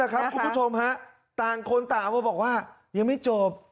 ค่ะคุณผู้ชมฮะต่างคนต่ำว่าบอกว่ายังไม่จบ